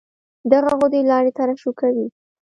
دغه غدې لاړې ترشح کوي.